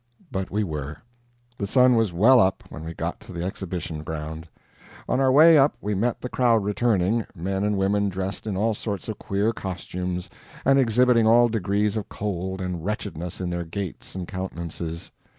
But we were. The sun was well up when we got to the exhibition ground. On our way up we met the crowd returning men and women dressed in all sorts of queer costumes, and exhibiting all degrees of cold and wretchedness in their gaits and countenances.